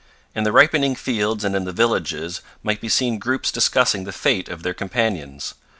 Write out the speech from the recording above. In the ripening fields and in the villages might be seen groups discussing the fate of their companions.